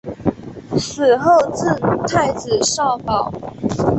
死后赠太子少保。